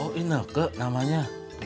oh ine kek namanya